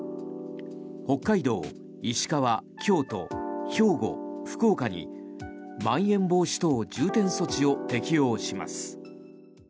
北海道、石川、京都兵庫、福岡にまん延防止等重点措置を適用します。